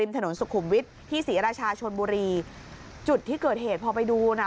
ถนนสุขุมวิทย์ที่ศรีราชาชนบุรีจุดที่เกิดเหตุพอไปดูน่ะ